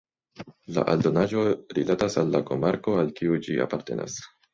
La aldonaĵo rilatas al la komarko al kiu ĝi apartenas.